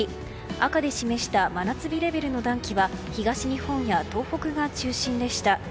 赤で示した真夏日レベルの暖気は東日本や東北が中心でした。